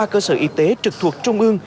ba cơ sở y tế trực thuộc trung ương